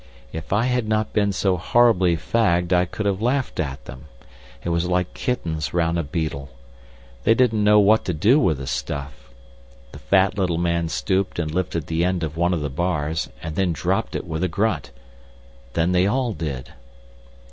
If I had not been so horribly fagged I could have laughed at them. It was like kittens round a beetle. They didn't know what to do with the stuff. The fat little man stooped and lifted the end of one of the bars, and then dropped it with a grunt. Then they all did.